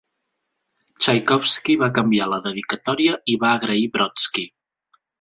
Txaikovski va canviar la dedicatòria i va agrair Brodsky.